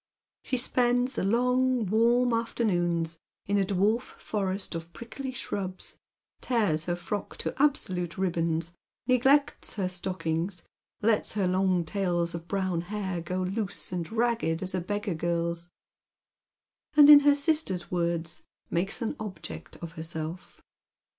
She spends the long warm afternoons in a dwarf forest of prickly shrubs, tears her frock to absolute ribbons, neglects her stockings, lets her long tails of brown hair go loose and ragged as a beggar girl's, and in her sister's words makes an object of herself.